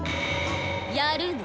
やるの？